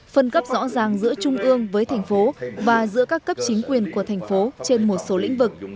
phân cấp rõ ràng giữa trung ương với thành phố và giữa các cấp chính quyền của thành phố trên một số lĩnh vực